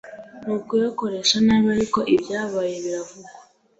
nukuyakoresha nabi ariko ibyabaye biravugwa